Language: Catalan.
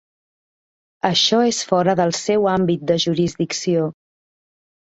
Això és fora del seu àmbit de jurisdicció.